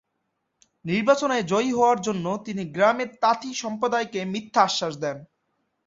নির্বাচনে জয়ী হওয়ার জন্য তিনি গ্রামের তাঁতি সম্প্রদায়কে মিথ্যা আশ্বাস দেন।